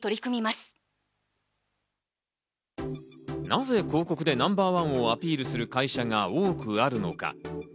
なぜ広告でナンバーワンをアピールする会社が多くあるのか。